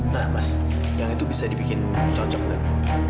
nah mas yang itu bisa dibikin cocok nggak